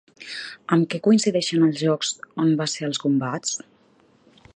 Amb què coincideixen els llocs on va ser els combats?